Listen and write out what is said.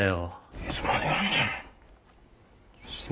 いつまでやんねん。